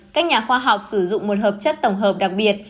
các nhà khoa học sử dụng một hợp chất tổng hợp đặc biệt